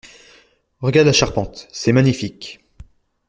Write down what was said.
Regardes la charpente, c'est magnifique!